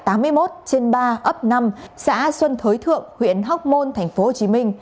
tại tám mươi một trên ba ấp năm xã xuân thới thượng huyện hóc môn tp hcm